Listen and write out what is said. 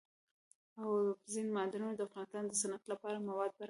اوبزین معدنونه د افغانستان د صنعت لپاره مواد برابروي.